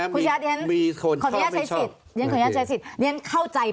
คุณภิกษาขออนุญาตใช้สิทธิ์